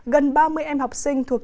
gần ba mươi em học sinh thuộc trường hà nội